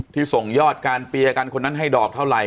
ที่ส่งยอดการเปียร์กันคนนั้นให้ดอกเท่าไหร